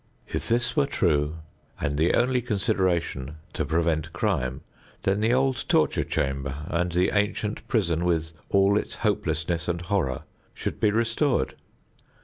If this were true and the only consideration to prevent crime, then the old torture chamber and the ancient prison with all its hopelessness and horror should be restored.